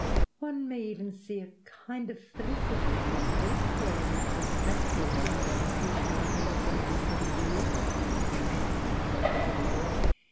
One may see even a kind of felicity in his death, falling exactly on the completion of his seventy seventh year.